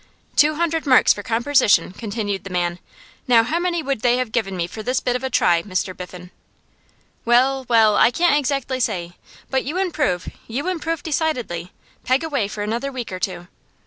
'Two hundred marks for compersition,' continued the man. 'Now how many would they have given me for this bit of a try, Mr Biffen?' 'Well, well; I can't exactly say. But you improve; you improve, decidedly. Peg away for another week or two.